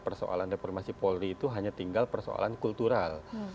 persoalan reformasi polri itu hanya tinggal persoalan kultural